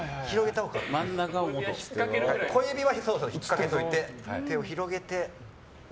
小指は引っかけておいて手を広げて。